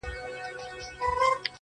شیخه په خلکو به دې زر ځله ریا ووینم-